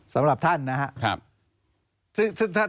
สำหรับท่านนะครับ